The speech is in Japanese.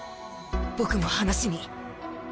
僕も話に。